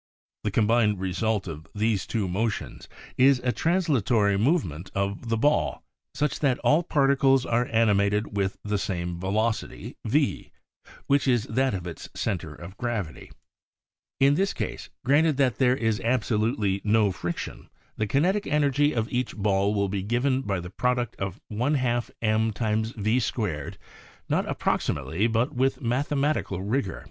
The combined result of these two motions is a translatory movement of the ball such that all particles are animated with the same velocity V, which is that of its center of gravity. In this case, granted that there is absolutely no friction the June, 1919 ELECTRICAL EXPERIMENTER 133 kinetic energy of each ball will be given by the product of ^ M V2 not approximately, but with mathematical rigor.